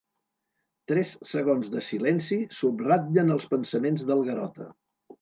Tres segons de silenci subratllen els pensaments del Garota.